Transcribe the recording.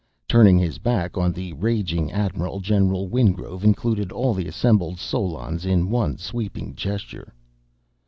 Turning his back on the raging admiral, General Wingrove included all the assembled solons in one sweeping gesture.